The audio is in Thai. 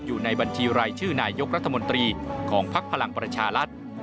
อยู่ในบัญชีรายชื่อนายกรัฐมนตรีของภักดิ์พลังประชารัฐ